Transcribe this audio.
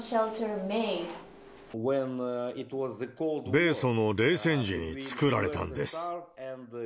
米ソの冷戦時に造られたんです。